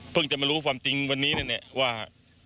เพิ่งจะมารู้ความจริงวันนี้แน่ว่า